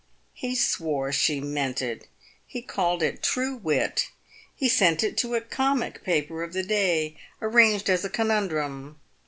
' H e swore she meant \t. He called it true wit. He sent it to a comic paper of the day arranged as a conundrum.